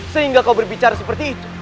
sehingga kau berbicara seperti itu